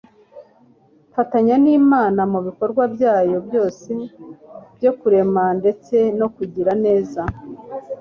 Mfatanya n’Imana mu bikorwa byayo byose byo kurema ndetse no kugira neza.